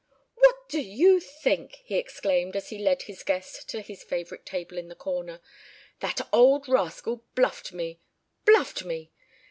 "What do you think!" he exclaimed as he led his guest to his favorite table in the corner. "That old rascal bluffed me! Bluffed me.